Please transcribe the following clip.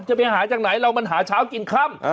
จะไปหาจากไหนเรามันหาเช้ากินค่ำ